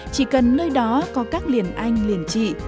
chỉ cần nơi đó có các liền anh liền trị